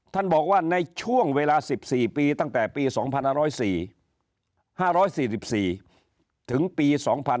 ท่านบอกว่าในช่วงเวลา๑๔ปีตั้งแต่ปี๒๕๔๔ถึงปี๒๕๕๙